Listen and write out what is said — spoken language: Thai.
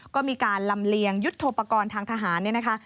ก็มีการลำเลียงยุทธโปรกรณ์ทางทหารเนี่ยนะคะ